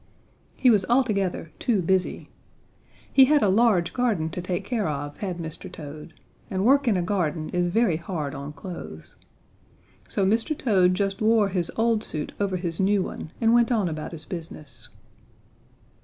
He was altogether too busy. He had a large garden to take care of, had Mr. Toad, and work in a garden is very hard on clothes. So Mr. Toad just wore his old suit over his new one and went on about his business.